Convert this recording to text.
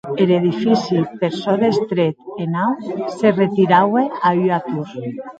Er edifici, per çò d’estret e naut, se retiraue a ua tor.